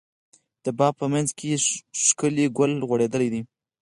د باغ په منځ کې ښکلی ګل غوړيدلی ده.